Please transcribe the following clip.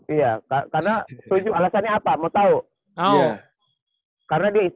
iya karena alasannya apa mau tau